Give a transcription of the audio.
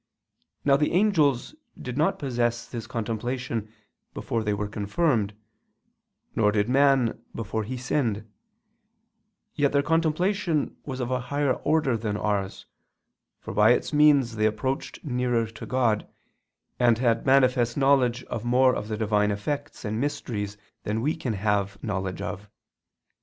Now the angels did not possess this contemplation before they were confirmed, nor did man before he sinned: yet their contemplation was of a higher order than ours, for by its means they approached nearer to God, and had manifest knowledge of more of the Divine effects and mysteries than we can have knowledge of.